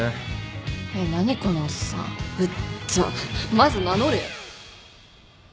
まず名乗れよ。